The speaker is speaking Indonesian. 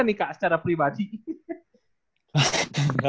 nah secara pribadi gimana nih kak